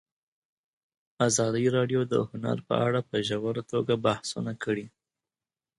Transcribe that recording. ازادي راډیو د هنر په اړه په ژوره توګه بحثونه کړي.